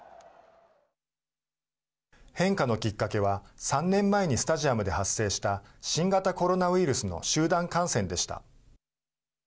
変化のきっかけは３年前にスタジアムで発生した新型コロナウイルスの集団感染でした。